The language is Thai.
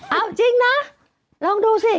เอาจริงนะลองดูสิ